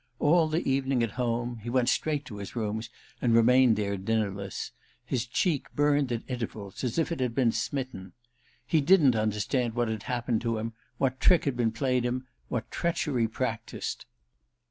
All the evening at home—he went straight to his rooms and remained there dinnerless—his cheek burned at intervals as if it had been smitten. He didn't understand what had happened to him, what trick had been played him, what treachery practised.